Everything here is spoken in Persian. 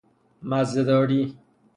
مزه داری